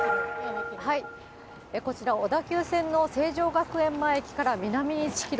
こちら、小田急線の成城学園前駅から南に１キロ、